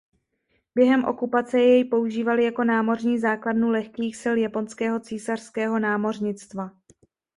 Během okupace jej používali jako námořní základnu lehkých sil japonského císařského námořnictva.